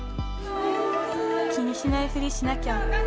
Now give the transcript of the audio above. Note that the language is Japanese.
気にしないふりしなきゃ。